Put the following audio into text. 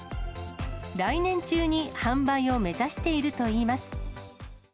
来年中に販売を目指しているといいます。